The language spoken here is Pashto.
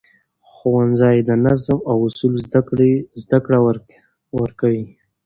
ښوونځی د نظم او اصولو زده کړه ورکوي